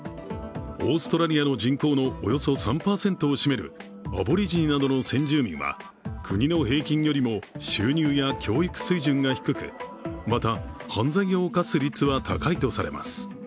オーストラリアの人口のおよそ３％を占めるアボリジニなどの先住民は国の平均よりも収入や教育水準が低くまた犯罪を犯す率は高いとされます。